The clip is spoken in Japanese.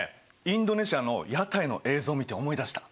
インドネシアの屋台の映像を見て思い出した！